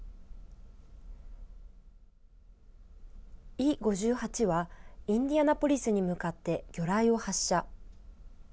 伊５８は、インディアナポリスに向かって魚雷を発射。